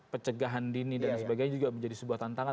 pencegahan dini dan sebagainya juga menjadi sebuah tantangan